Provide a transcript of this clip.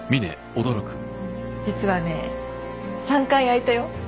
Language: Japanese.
「実はね３階空いたよ」